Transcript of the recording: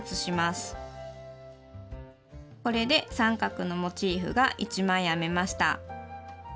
これで三角のモチーフが１枚編めました。